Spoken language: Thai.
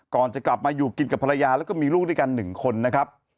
ก่อนจะกลับมาอยู่กินกับภรรยาแล้วก็มีลูกด้วยกัน๑คนนะครับ